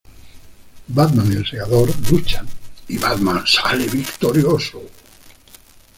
Batman y el Segador luchan y Batman sale victorioso.